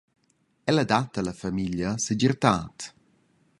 Ella dat alla famiglia segirtad.